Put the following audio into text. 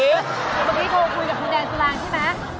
ตอนนี้โทรคุยกับคุณแดงสุรางใช่ไหม